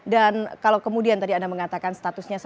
dan kalau kemudian tadi anda mengatakan statusnya satu